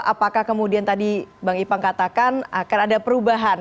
apakah kemudian tadi bang ipang katakan akan ada perubahan